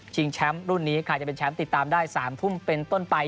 แชมป์รุ่นนี้ใครจะเป็นแชมป์ติดตามได้๓ทุ่มเป็นต้นไป